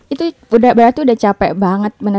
itu udah berarti udah capek banget bener bener